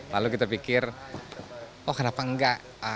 lalu kita pikir oh kenapa enggak